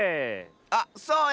あっそうや！